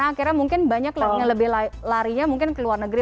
karena akhirnya mungkin banyak lagi yang lebih larinya mungkin ke luar negeri